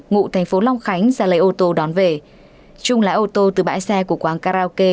ngụ thành phố long khánh ra lấy ô tô đón về trung lái ô tô từ bãi xe của quán karaoke